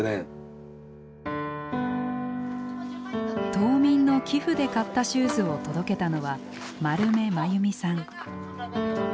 島民の寄付で買ったシューズを届けたのは丸目真由美さん。